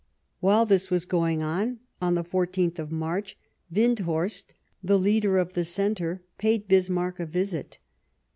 While this was going on, on the 14th of March, Windthorst, the Leader of the Centre, paid Bis marck a visit.